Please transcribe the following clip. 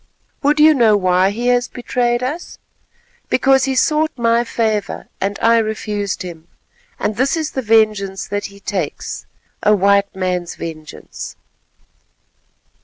Would you know why he has betrayed us? Because he sought my favour, and I refused him, and this is the vengeance that he takes—a white man's vengeance."